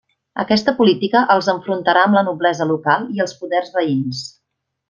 Aquesta política els enfrontarà amb la noblesa local i els poders veïns.